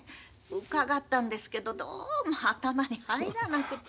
伺ったんですけどどうも頭に入らなくって。